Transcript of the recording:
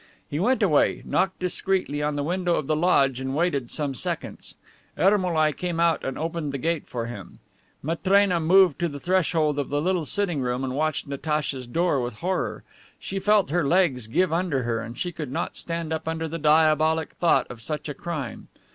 He went away, knocked discreetly on the window of the lodge and waited some seconds. Ermolai came out and opened the gate for him. Matrena moved to the threshold of the little sitting room and watched Natacha's door with horror. She felt her legs give under her, she could not stand up under the diabolic thought of such a crime.